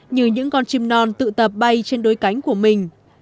như những con chim non tự tập bay trên đối cánh của mình